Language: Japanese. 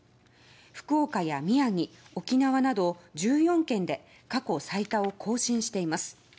福岡や宮城、沖縄など１４県で最多を更新しました。